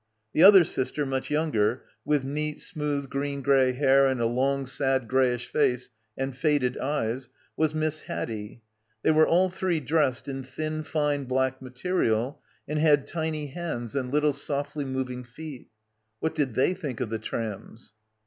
The other sister, much younger, with neat smooth green grey hair and a long sad greyish face and faded eyes, was Miss Haddie. They were all three dressed in thin fine black material and had tiny hands and little softly moving feet. What did they think of the trams?